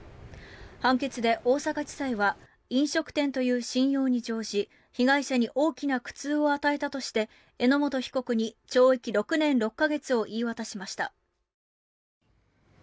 判決で大阪地裁は飲食店という信用に乗じ被害者に大きな苦痛を与えたとして榎本被告に懲役６年６か月を言い渡しました。